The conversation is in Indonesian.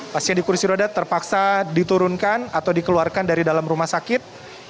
pasien di kursi roda terpaksa diturunkan atau dikeluarkan dari dalam rumah sakit